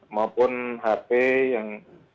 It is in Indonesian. maupun hp yang